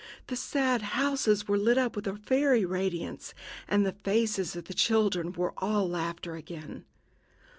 The sad houses were lit up with a fairy radiance, and the faces of the children were all laughter again.